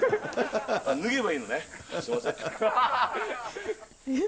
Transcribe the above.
脱げばいいのね。